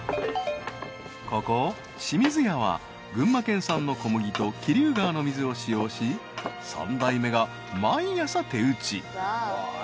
［ここしみずやは群馬県産の小麦と桐生川の水を使用し三代目が毎朝手打ち］